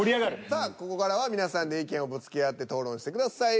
さあここからは皆さんで意見をぶつけ合って討論してください。